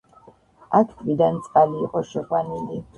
აქ ტბიდან წყალი იყო შეყვანილი.